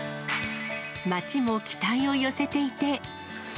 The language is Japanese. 街も期待を寄せていて。